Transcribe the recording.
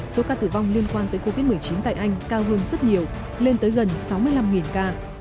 số ca tử vong liên quan tới covid một mươi chín tại anh cao hơn rất nhiều lên tới gần sáu mươi năm ca